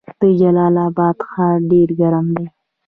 د جلال اباد ښار ډیر ګرم دی